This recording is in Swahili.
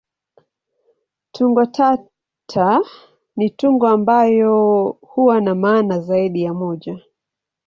Tungo tata ni tungo ambayo huwa na maana zaidi ya moja.